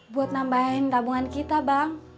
buat nambahin tabungan kita bang